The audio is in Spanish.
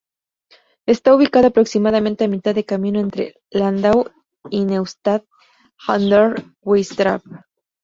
Está ubicado aproximadamente a mitad de camino entre Landau y Neustadt an der Weinstraße.